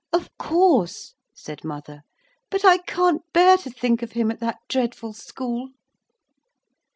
'Of course,' said mother; 'but I can't bear to think of him at that dreadful school.'